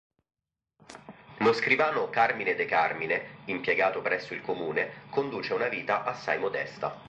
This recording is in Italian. Lo scrivano Carmine De Carmine, impiegato presso il comune, conduce una vita assai modesta.